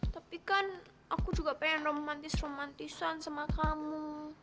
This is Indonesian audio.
tapi kan aku juga pengen romantis romantisan sama kamu